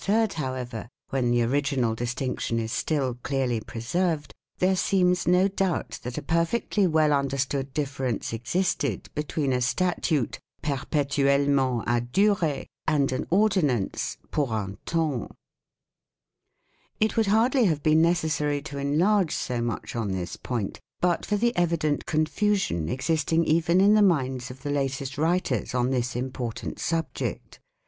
Parl." ii. 280, nos. 38 40. MAGNA CARTA AND COMMON LAW 167 III, however, when the original distinction is still clearly preserved, there seems no doubt that a per fectly well understood difference existed between a statute " perpetuelment a durer" and an ordinance " pur en temps ". It would hardly have been necessary to enlarge so much on this point but for the evident confusion exist ing even in the minds of the latest writers on this im portant subject.